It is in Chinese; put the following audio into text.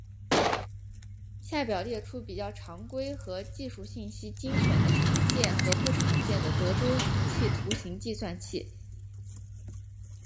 下表列出比较常规和技术信息精选的常见和不常见的德州仪器图形计算器。